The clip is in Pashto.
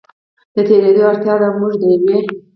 د تېرېدو اړتیا ده او موږ د یوې